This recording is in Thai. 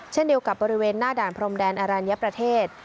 เช่นเดียวกับบริเวณหน้าด่านพรมแดนอรัญญประเทศ